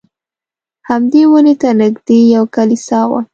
همدې ونې ته نږدې یوه کلیسا وه.